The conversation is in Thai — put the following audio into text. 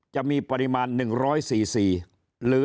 จะมีปริมาณ๑๔๔หรือ